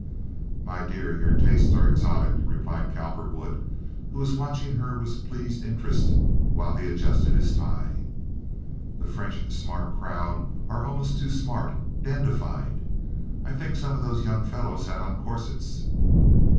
"My dear, your tastes are exotic," replied Cowperwood, who was watching her with pleased interest while he adjusted his tie. "The French smart crowd are almost too smart, dandified. I think some of those young fellows had on corsets."